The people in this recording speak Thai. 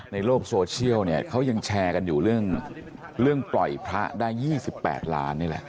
ในโลกโซเชียลเนี่ยเขายังแชร์กันอยู่เรื่องปล่อยพระได้๒๘ล้านนี่แหละ